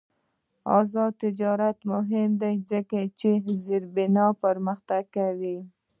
آزاد تجارت مهم دی ځکه چې زیربنا پرمختګ کوي.